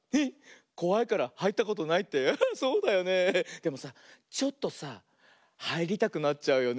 でもさちょっとさはいりたくなっちゃうよね。